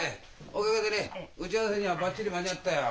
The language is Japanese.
おかげでね打ち合わせにはばっちり間に合ったよ。